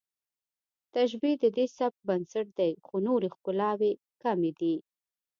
تشبیه د دې سبک بنسټ دی خو نورې ښکلاوې کمې دي